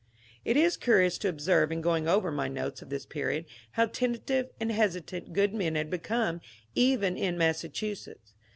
It is curious to observe, in going over my notes of this period, how tentative and hesitant good men had become even in Massachusetts.